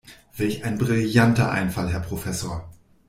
Welch ein brillanter Einfall, Herr Professor!